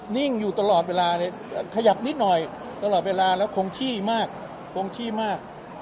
นิ่งอยู่ตลอดเวลาเลยขยับนิดหน่อยตลอดเวลาแล้วคงขี้มากคงขี้มาก